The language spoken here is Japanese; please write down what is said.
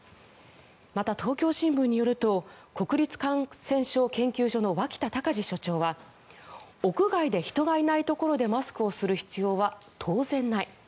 また、東京新聞によると国立感染症研究所の脇田隆字所長は屋外で人がいないところでマスクをする必要は当然ない。